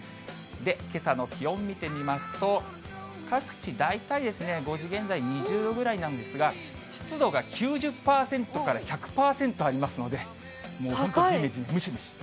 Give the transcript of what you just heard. けさの気温見てみますと、各地大体、５時現在、２０度ぐらいなんですが、湿度が９０％から１００％ありますので、じめじめ、ムシムシ。